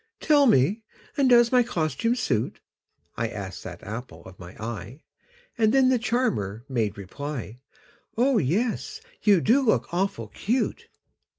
"Tell me and does my costume suit?" I asked that apple of my eye And then the charmer made reply, "Oh, yes, you do look awful cute!"